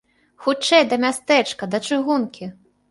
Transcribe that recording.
Хутчэй да мястэчка, да чыгункі!